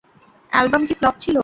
Album কী flop ছিল?